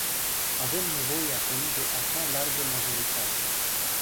Avem nevoie acum de acea largă majoritate.